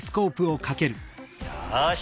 よし！